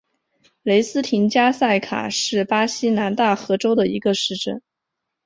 雷斯廷加塞卡是巴西南大河州的一个市镇。